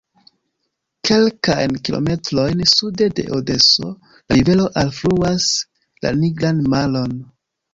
Kelkajn kilometrojn sude de Odeso la rivero alfluas la Nigran Maron.